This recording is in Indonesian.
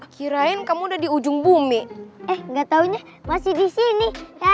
kirain kamu udah di ujung bumi eh nggak taunya masih disini